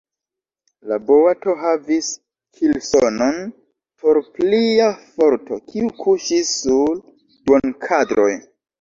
La boato havis kilsonon por plia forto, kiu kuŝis sur la duonkadroj.